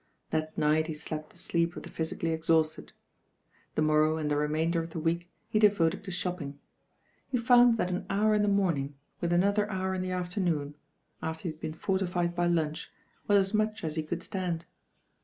That night he slept the sleep of the physically exhausted. The morrow and the remainder of the week he devoted to shopping. He found that an hour in the morning, with another hour in the afternoon, after he had been fortified by lunch, was as much as he could stand.